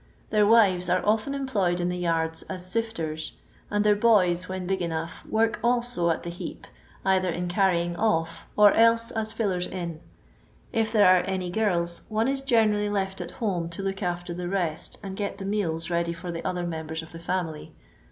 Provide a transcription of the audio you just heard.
Their wives are often employed in the yards as sifters, and their boys, when big enough, work also at the heap, either in carrying off, or else as fillers in ; if there are any girls, one is generally left at home to look after the rest and get the meals ready for the other members of the family.